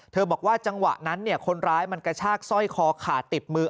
บอกว่าจังหวะนั้นคนร้ายมันกระชากสร้อยคอขาดติดมือ